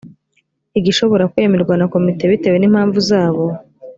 igishobora kwemerwa na komite bitewe n’impamvu zabo